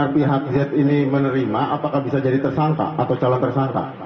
andai kata benar pihak z ini menerima apakah bisa jadi tersangka atau calon tersangka